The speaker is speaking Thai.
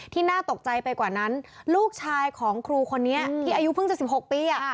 น่าตกใจไปกว่านั้นลูกชายของครูคนนี้ที่อายุเพิ่งจะ๑๖ปี